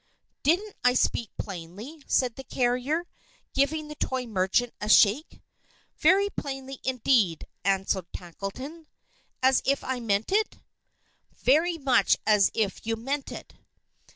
"Didn't I speak plainly?" said the carrier, giving the toy merchant a shake. "Very plainly indeed," answered Tackleton. "As if I meant it?" "Very much as if you meant it."